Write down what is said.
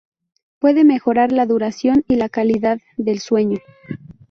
Puede mejorar la duración y la calidad del sueño.